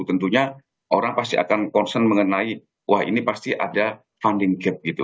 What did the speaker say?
tentunya orang pasti akan concern mengenai wah ini pasti ada funding gap gitu